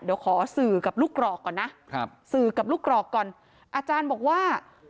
เดี๋ยวขอสื่อกับลูกกรอกก่อนนะครับสื่อกับลูกกรอกก่อนอาจารย์บอกว่า